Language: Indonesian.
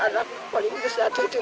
ketika dianggap terlalu banyak